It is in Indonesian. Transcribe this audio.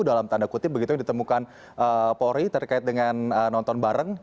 dalam tanda kutip begitu yang ditemukan polri terkait dengan nonton bareng